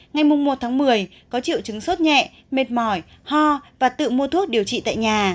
ngày một một mươi có triệu chứng sốt nhẹ mệt mỏi ho và tự mua thuốc điều trị tại nhà